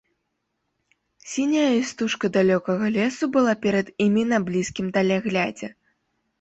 Сіняя істужка далёкага лесу была перад імі на блізкім даляглядзе.